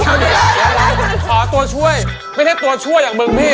ตัวช่วยไม่ใช่ตัวช่วยอย่างมึงพี่